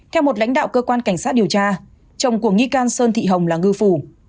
theo một lãnh đạo cơ quan cảnh sát điều tra chồng của nghi can sơn thị hồng là ngư phủ